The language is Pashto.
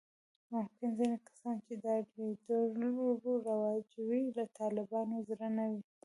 ممکن ځینې کسان چې دا لیدلوري رواجوي، له طالبانو زړه نه وي